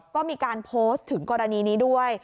ก็มีการโพสต์ถึงกรณีนี้ด้วย